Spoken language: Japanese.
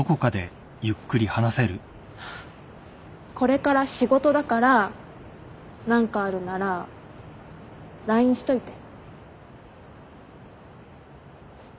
これから仕事だから何かあるならＬＩＮＥしといて。